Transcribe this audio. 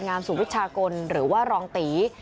งามสู่วิชากลหรือว่ารองตี